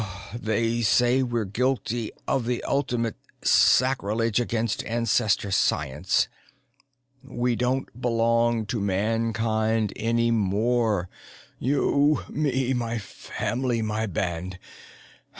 They say we're guilty of the ultimate sacrilege against Ancestor Science. We don't belong to Mankind anymore you, me, my family, my band.